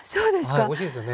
はいおいしいですよね。